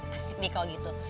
asik nek kalau gitu